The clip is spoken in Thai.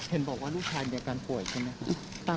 เห็นบอกว่าลูกชายมีอาการป่วยใช่ไหมครับ